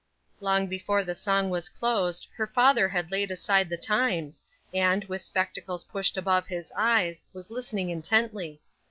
Long before the song was closed her father had laid aside the Times, and, with spectacles pushed above his eyes, was listening intently.